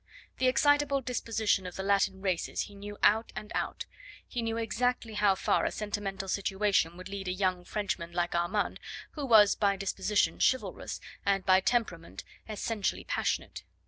The excitable disposition of the Latin races he knew out and out; he knew exactly how far a sentimental situation would lead a young Frenchman like Armand, who was by disposition chivalrous, and by temperament essentially passionate.